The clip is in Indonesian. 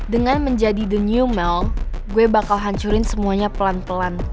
dengan menjadi the new mail gue bakal hancurin semuanya pelan pelan